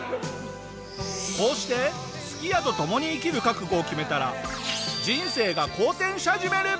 こうしてすき家と共に生きる覚悟を決めたら人生が好転し始める。